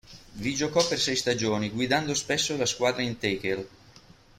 Vi giocò per sei stagioni, guidando spesso la squadra in tackle.